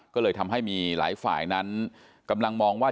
ก็เลยทำให้มีหลายฝ่ายนั้นกำลังมองว่า